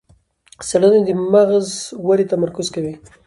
څېړنه د مغز ودې تمرکز کوي.